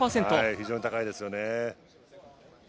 非常に高いですよね。